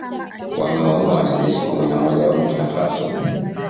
wamewaua wanajeshi kumi na moja wa Burkina Faso